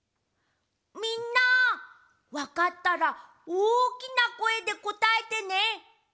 みんなわかったらおおきなこえでこたえてね！